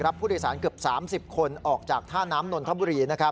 รับผู้โดยสารเกือบ๓๐คนออกจากท่าน้ำนนทบุรี